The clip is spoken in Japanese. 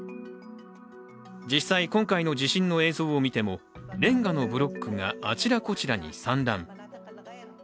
実際、今回の地震の映像を見てもレンガのブロックがあちらこちらに散乱。